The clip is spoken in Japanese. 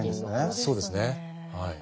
そうですねはい。